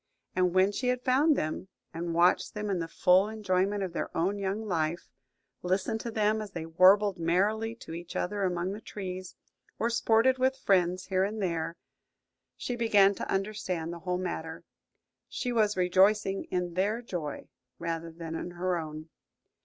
And when she had found them, and watched them in the full enjoyment of their own young life–listened to them as they warbled merrily to each other among the trees, or sported with friends here and there, she began to understand the whole matter. She was rejoicing in their joy rather than in her own.